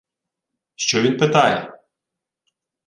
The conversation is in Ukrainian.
«Що він питає?»